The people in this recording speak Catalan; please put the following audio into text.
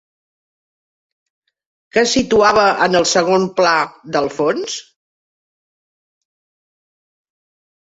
Què situava en el segon pla del fons?